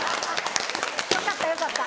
よかったよかった。